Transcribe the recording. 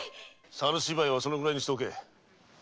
猿芝居はそのくらいにしておけ。